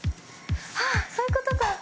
あっそういう事か。